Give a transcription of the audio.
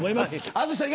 淳さん